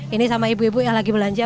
ini sama ibu ibu yang lagi belanja